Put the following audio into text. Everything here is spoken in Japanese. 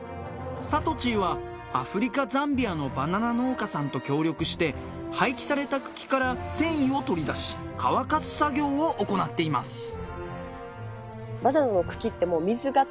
さとちーはアフリカザンビアのバナナ農家さんと協力して廃棄された茎から繊維を取り出し乾かす作業を行っています。